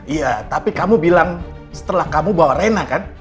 iya tapi kamu bilang setelah kamu bawa rena kan